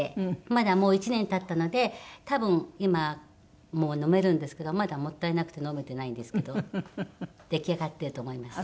まだもう１年経ったので多分今もう飲めるんですけどまだもったいなくて飲めてないんですけど出来上がってると思います。